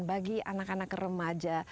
bagi anak anak remaja